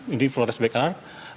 ini flores bekar